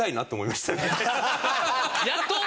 やっと？